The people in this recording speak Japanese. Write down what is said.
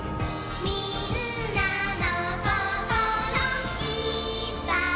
「みんなのココロ」「いっぱい」